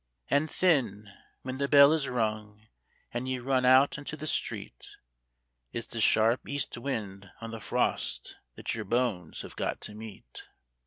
An' thin, whin the bell is rung, an' ye run out into the street It's the sharp east wind or the frost that yer bones have got to meet.